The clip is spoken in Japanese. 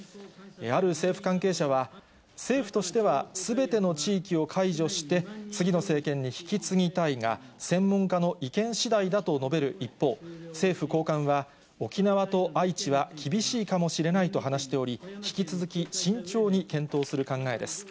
ある政府関係者は、政府としてはすべての地域を解除して、次の政権に引き継ぎたいが、専門家の意見しだいだと述べる一方、政府高官は、沖縄と愛知は厳しいかもしれないと話しており、引き続き慎重に検討する考えです。